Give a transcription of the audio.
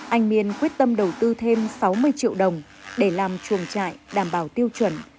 anh miên quyết tâm đầu tư thêm sáu mươi triệu đồng để làm chuồng trại đảm bảo tiêu chuẩn